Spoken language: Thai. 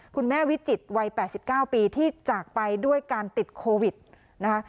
วิจิตรวัย๘๙ปีที่จากไปด้วยการติดโควิดนะคะ